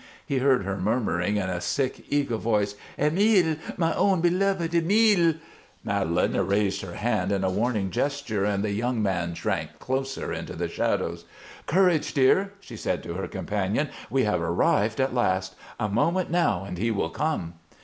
He heard her murmuring in a sick, eager voice: "Emile! My own beloved! Emile!" Madelon raised her hand in a warning gesture and the young man shrank closer into the shadows. "Courage, dear!" she said to her companion. "We have arrived at last. A moment now and he will come."